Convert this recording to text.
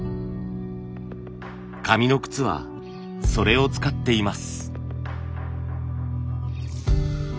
紙の靴はそれを使っています。